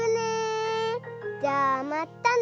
じゃあまったね！